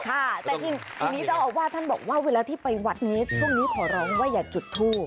แต่ทีนี้เจ้าอาวาสท่านบอกว่าเวลาที่ไปวัดนี้ช่วงนี้ขอร้องว่าอย่าจุดทูบ